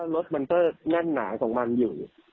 รถมันก็แน่นหนาของมันอยู่